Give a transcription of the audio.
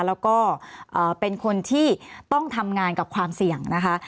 แล้วก็เป็นคนที่ต้องทำงานกับความเสี่ยงนะคะ